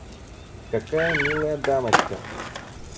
Какая милая дамочка!